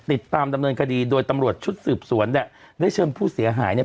ติดตามดำเนินคดีโดยตำรวจชุดสืบสวนเนี่ยได้เชิญผู้เสียหายเนี่ย